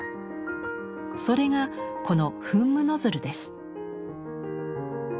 それがこの「噴霧ノズル」です。